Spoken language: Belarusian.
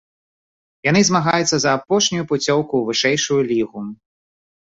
Яны змагаюцца за апошнюю пуцёўку ў вышэйшую лігу.